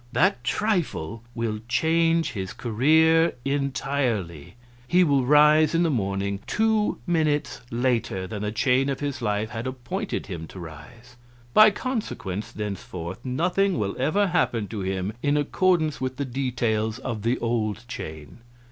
That trifle will change his career entirely. He will rise in the morning two minutes later than the chain of his life had appointed him to rise. By consequence, thenceforth nothing will ever happen to him in accordance with the details of the old chain."